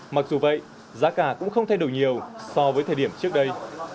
mặc dù vậy giá cả cũng không thay đổi nhiều so với thời điểm trước đây